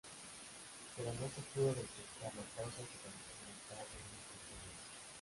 Pero no se pudo detectar las causas y falleció más tarde en Pontevedra.